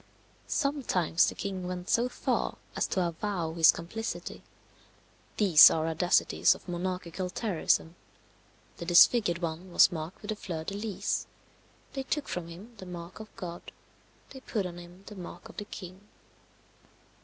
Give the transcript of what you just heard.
Sometimes the king went so far as to avow his complicity. These are audacities of monarchical terrorism. The disfigured one was marked with the fleur de lis; they took from him the mark of God; they put on him the mark of the king.